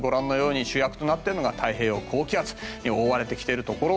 主役となっているのが太平洋高気圧に覆われてきているところ。